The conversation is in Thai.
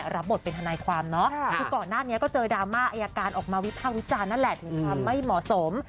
รับบทเป็นทนายความเนาะคือก่อนหน้านี้ก็เจอดราม่าอายการออกมาวิภาควิจารณ์นั่นแหละถึงความไม่เหมาะสม